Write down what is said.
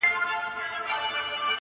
پر همدغه ځای دي پاته دښمني وي.!